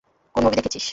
কোন মুভি দেখেছিস?